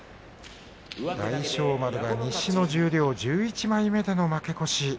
大翔丸は西の十両１１枚目での負け越しです。